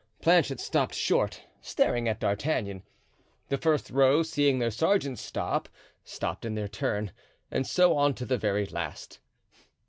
Planchet stopped short, staring at D'Artagnan. The first row, seeing their sergeant stop, stopped in their turn, and so on to the very last.